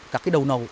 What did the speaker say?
các cái đầu nầu